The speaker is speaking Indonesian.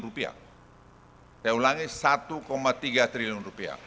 saya ulangi rp satu tiga triliun